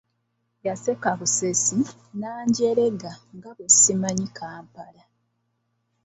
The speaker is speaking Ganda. Yaseka busesi n'anjerega nga bwe simanyi Kampala.